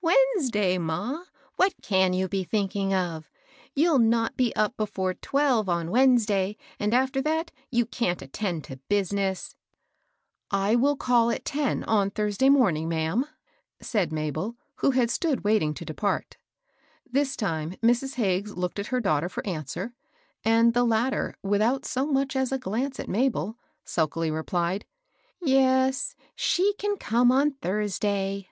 Wednesday^ ma ? What can you be thinking of? You'll not be up before twelve on Wednes day; and, after that, you can't a:ttend to btm ne««." "I will call at ten, on T\k\a«aa.^ ts^sct&ss!^'. 816 MABEL ROSS. ma'am," said Mabel, who had stood waiting to depart. This time Mrs. Hagges looked at her daughter for answer ; and the latter, without so much as a .glance at Mabel, sulkily replied, —" Yes, she can come on Thursday."